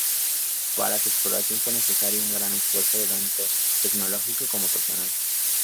Para su exploración fue necesario un gran esfuerzo tanto tecnológico como personal.